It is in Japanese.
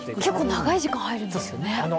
長い時間入るんですよね。